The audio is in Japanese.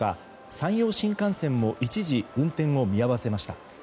山陽新幹線も一時運転を見合わせました。